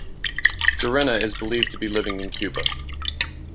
Gerena is believed to be living in Cuba.